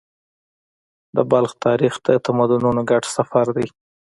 د بلخ تاریخ د تمدنونو ګډ سفر دی.